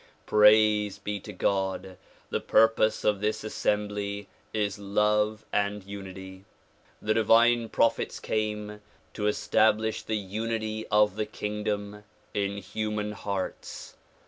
Praise be to God! the purpose of this assembly is love and unity. The divine prophets came to establish the unity of the kingdom DISCOURSE DELIVERED IN BROOKLYN 3 in human hearts.